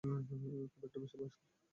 খুব একটা বেশি বয়স না।